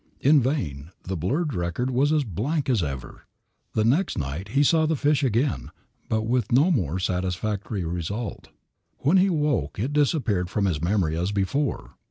In vain the blurred record was as blank as ever. The next night he saw the fish again, but with no more satisfactory result. When he awoke it disappeared from his memory as before.